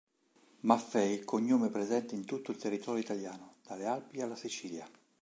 Maffei cognome presente in tutto il territorio italiano, dalle Alpi alla Sicilia.